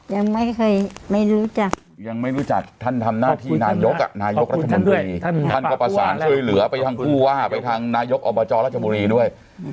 ยังไม่เคยไม่รู้จักยังไม่รู้จักท่านทำหน้าที่นายกนายกรัฐมนตรีท่านก็ประสานช่วยเหลือไปทางผู้ว่าไปทางนายกอบจรัชบุรีด้วย